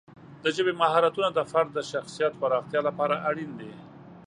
د ژبې مهارتونه د فرد د شخصیت پراختیا لپاره اړین دي.